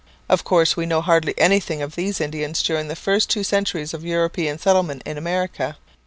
Of course, we know hardly anything of these Indians during the first two centuries of European settlement in America.